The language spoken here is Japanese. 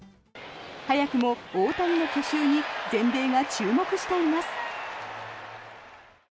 早くも大谷の去就に全米が注目しています。